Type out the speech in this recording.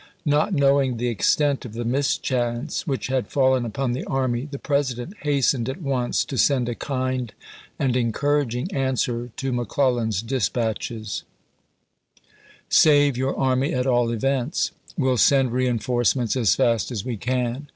^ Not knowing the extent of the mischance which had fallen upon the army, the President hastened at once to send a kind and en couraging answer to McGlellan's dispatches : Save your army at all events. Will send reenforce ments as fast as we can.